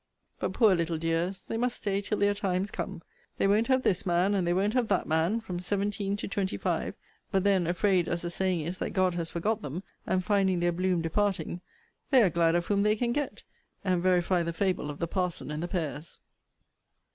But, poor little dears! they must stay till their time's come! They won't have this man, and they won't have that man, from seventeen to twenty five: but then, afraid, as the saying is, that God has forgot them, and finding their bloom departing, they are glad of whom they can get, and verify the fable of the parson and the pears.